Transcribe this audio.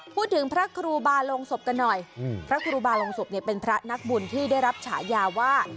พระครูบาลงศพกันหน่อยพระครูบาลงศพเนี่ยเป็นพระนักบุญที่ได้รับฉายาว่า